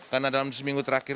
karena dalam seminggu terakhir